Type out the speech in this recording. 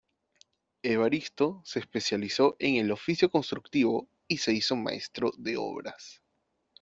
Evaristo se especializó en el oficio constructivo y se hizo Maestro de Obras.